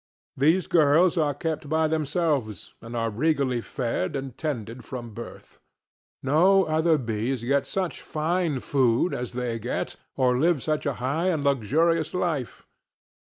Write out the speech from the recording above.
These girls are kept by themselves, and are regally fed and tended from birth. No other bees get such fine food as they get, or live such a high and luxurious life.